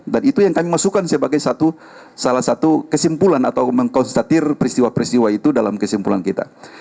dan itu yang kami masukkan sebagai salah satu kesimpulan atau mengkonsentrasikan peristiwa peristiwa itu dalam kesimpulan kita